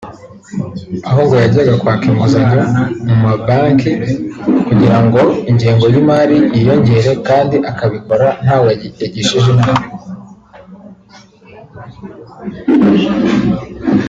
aho ngo yajyaga kwaka inguzanyo mu mabanki kugirango ingengo y’imari yiyongere kandi akabikora ntawe yagishije inama